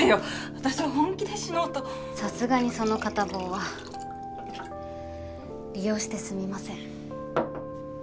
私は本気で死のうと流石にその片棒は利用してすみません